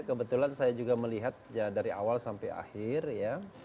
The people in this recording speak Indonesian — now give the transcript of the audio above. kebetulan saya juga melihat dari awal sampai akhir ya